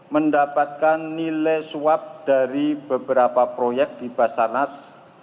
mendapatkan nilai suap dari beberapa proyek di basar nas